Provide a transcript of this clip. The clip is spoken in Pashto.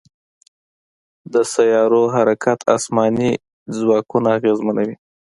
د سیارو حرکت اسماني ځواکونه اغېزمنوي.